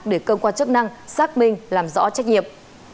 để cơ quan chức năng xác minh làm rõ trách nhiệm